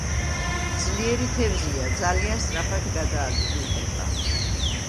ძლიერი თევზია, ძალიან სწრაფად გადაადგილდება.